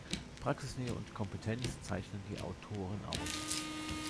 Praxisnähe und Kompetenz zeichnen die Autoren aus.